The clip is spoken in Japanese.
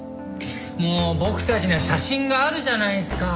もう僕たちには写真があるじゃないっすか。